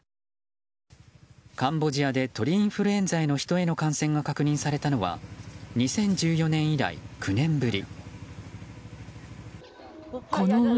カンボジアで鳥インフルエンザへのヒトへの感染が確認されたのは２０１４年以来９年ぶり。